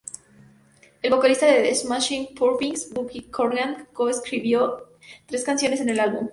El vocalista de The Smashing Pumpkins, Billy Corgan co-escribió tres canciones en el álbum.